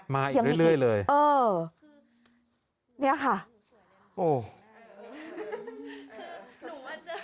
มาอีกเรื่อยเลยคือนี่ค่ะโอ๊ย